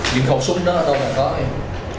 những khẩu súng đó là đâu mà có em